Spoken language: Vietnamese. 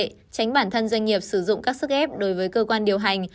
tránh bản thân doanh nghiệp sử dụng các sức ép đối với cơ quan điều hành